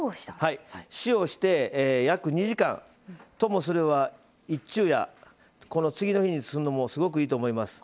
塩をして約２時間、ともすれば一昼夜、次の日に作るのもすごくいいと思います。